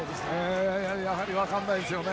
やはり分からないですね